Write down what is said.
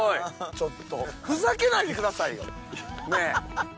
ちょっとふざけないでくださいよ！ねぇ！